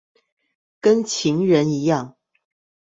跟情人一樣